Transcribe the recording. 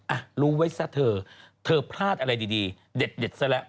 อ่ะรู้ไว้ซะเธอเธอพลาดอะไรดีเด็ดซะแล้ว